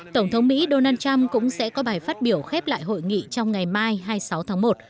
tổng thống mỹ donald trump cũng sẽ có bài phát biểu khép lại hội nghị trong ngày mai hai mươi sáu tháng một